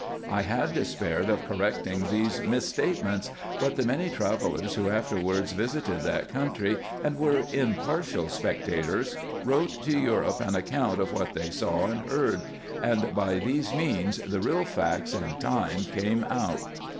I had despaired of correcting these mis statements ; but the many travellers who afterwards visited that country, and were impartial spectators, wrote to Europe an account of what they saw and heard ; and by these means the real facts in time came out.